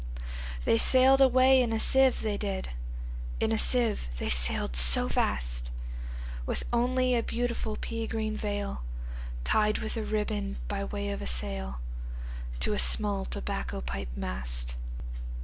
They sail'd away in a sieve, they did, In a sieve they sail'd so fast, With only a beautiful pea green veilTied with a ribbon, by way of a sail, To a small tobacco pipe mast.